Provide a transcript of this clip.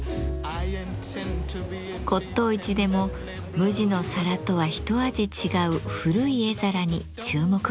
骨董市でも無地の皿とはひと味違う古い絵皿に注目が集まっています。